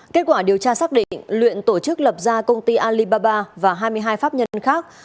kết quả điều tra xác định luyện tổ chức lập ra công ty alibaba và hai mươi hai pháp nhân khác